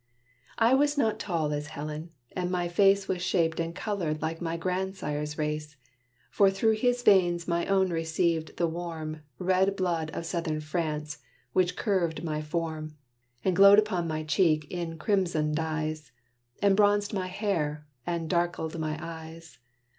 I was not tall as Helen, and my face Was shaped and colored like my grandsire's race; For through his veins my own received the warm, Red blood of southern France, which curved my form, And glowed upon my cheek in crimson dyes, And bronzed my hair, and darkled in my eyes.